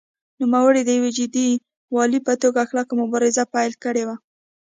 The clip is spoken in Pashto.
نوموړي د یو جدي والي په توګه کلکه مبارزه پیل کړې وه.